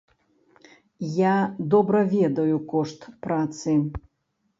Я добра ведаю кошт працы.